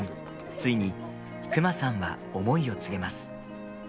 ついにクマさんは思いを告げます。